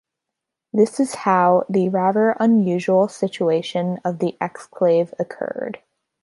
This is how the rather unusual situation of the exclave occurred.